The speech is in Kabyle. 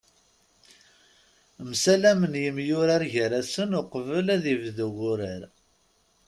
Msalamen yemyurar gar-asen uqbel ad ibdu wurar.